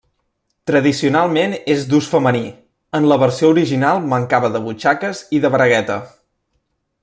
Tradicionalment és d'ús femení; en la versió original mancava de butxaques i de bragueta.